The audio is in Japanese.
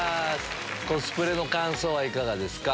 コスプレの感想はいかがですか？